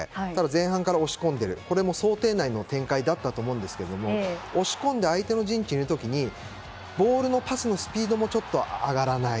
前半から押し込んでいるこれも想定内の展開だったと思うんですけど押し込んで相手の陣地にいる時にボールのパスのスピードもちょっと上がらない。